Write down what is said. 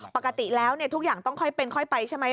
ปกติแล้วทุกอย่างต้องค่อยเป็นค่อยไปใช่ไหม